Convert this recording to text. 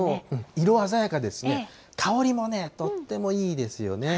色鮮やかですしね、香りもとってもいいですよね。